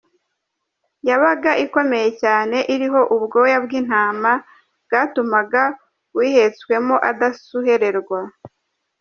Yabaga ikomeye cyane iriho ubwoya bw’intama byatumaga uyihetswemo adasuherewa.